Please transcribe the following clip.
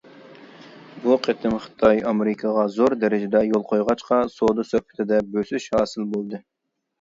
بۇ قېتىم خىتاي ئامېرىكىغا زور دەرىجىدە يول قويغاچقا سودا سۆھبىتىدە بۆسۈش ھاسىل بولدى.